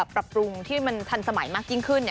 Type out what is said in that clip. ปรับปรุงที่มันทันสมัยมากยิ่งขึ้น